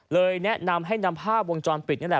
แนะนำให้นำภาพวงจรปิดนี่แหละ